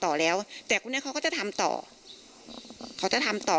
ต่อแล้วแต่คนนี้เขาก็จะทำต่อเขาจะทำต่อ